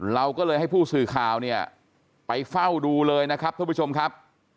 เราก็เลยให้ผู้สื่อข่าวเนี่ยไปเฝ้าดูเลยนะครับท่านผู้ชมครับ